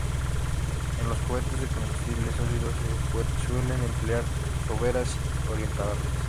En los cohetes de combustible sólido se suelen emplear toberas orientables.